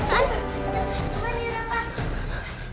kenapa nyerang pak rt